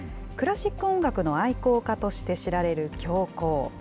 クラシック音楽の愛好家として知られる教皇。